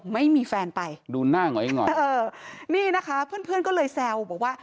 ไม่มีแฟนไปดูหน้าเหงอยเออนี่นะคะเพื่อนเพื่อนก็เลยแซวบอกว่า